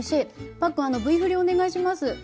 パックンあのＶ振りお願いします。